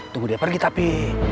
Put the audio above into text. tunggu dia pergi tapi